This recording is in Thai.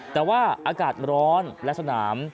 แต่ว่าอากาศร้อนและสนาม